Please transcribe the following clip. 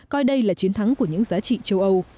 coi đây là chiến thắng của những giá trị châu âu